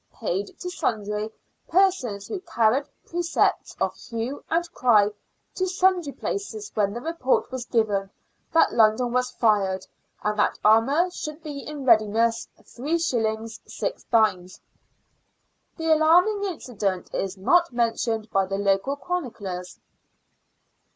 — Paid to sundry persons who carried precepts of hue and cry to sundry places when the report was given that London was fired, and that armour should be in readiness, 3s, 6d." The alarming incident is not mentioned by the local chroniclers.